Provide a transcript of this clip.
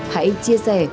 hãy chia sẻ